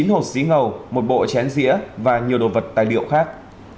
chín hột dí ngầu một bộ chén dĩa và nhiều đồ vật tài liệu khác